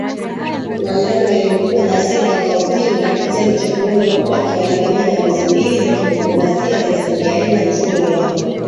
Wairani waliokuwa na hasira wanaopinga kitendo cha kunyongwa kwake, walivamia balozi mbili za kidiplomasia za Saudi Arabia nchini Iran